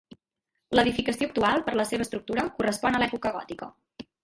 L'edificació actual, per la seva estructura, correspon a l'època gòtica.